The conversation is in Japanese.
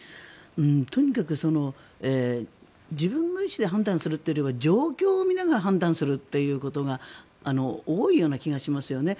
とにかく自分の意思で判断するというよりは状況を見ながら判断するということが多いような気がしますよね。